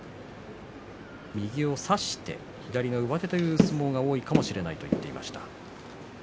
右を差して左の上手という相撲が多いかもしれないという話をしていました。